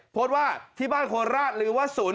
โพสต์ว่าที่บ้านโคราชหรือว่าศูนย์